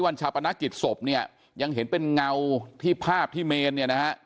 ชาปนกิจศพเนี่ยยังเห็นเป็นเงาที่ภาพที่เมนเนี่ยนะฮะ